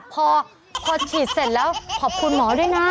พอฉีดเสร็จแล้วขอบคุณหมอด้วยนะ